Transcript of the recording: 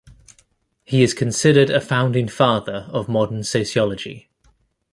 He is considered a founding father of modern sociology.